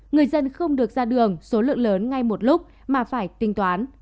người dân không được ra đường số lượng lớn ngay một lúc mà phải tinh toán